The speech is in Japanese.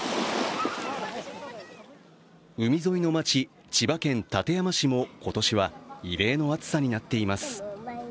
海沿いの町、千葉県館山市も今年は異例の暑さになっています。